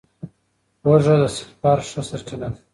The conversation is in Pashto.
هوږه د سلفر ښه سرچینه ده.